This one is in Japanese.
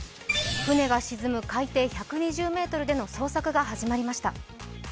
船が沈む海底１２０ｍでの捜索が始まりました。